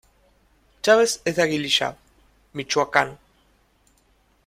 Chavez es de Aguililla, Michoacán.